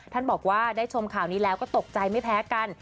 ท่านบอกว่าได้ชมข่าวนี้แล้วก็ตกใจไม่แพ้กัน